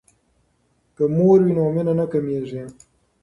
که مور وي نو مینه نه کمیږي.